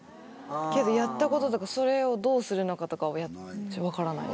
けど、やったこととか、それをどうするのかとかも分からないです。